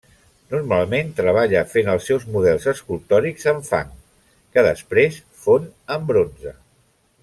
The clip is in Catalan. Normalment treballa fent els seus models escultòrics en fang, que després fon en bronze.